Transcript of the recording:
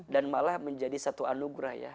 dan malah menjadi satu anugerah ya